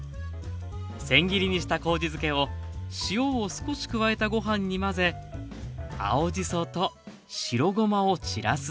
せん切りにした麹漬けを塩を少し加えたご飯に混ぜ青じそと白ごまを散らすだけ。